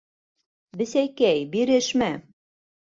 Бесәйкәй, бирешмә!..